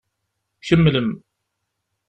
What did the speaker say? Kemmlem.